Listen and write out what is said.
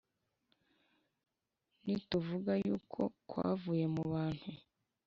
Nituvuga yuko kwavuye mu bantu